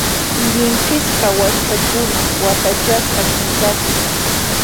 Llimp'isqa waskhakuna watachasqa chinkanku.